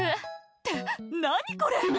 「って何これ！」